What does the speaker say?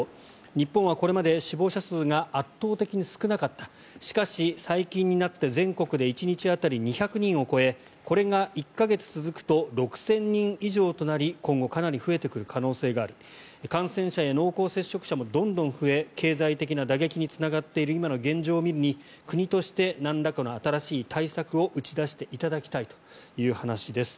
日本はこれまで死亡者数が圧倒的に少なかったしかし、最近になって全国で１日当たり２００人を超えこれが１か月続くと６０００人以上となり今後かなり増えてくる可能性がある感染者や濃厚接触者もどんどん増え経済的な打撃につながっている今の現状を見るに国としてなんらかの新しい対策を打ち出していただきたいという話です。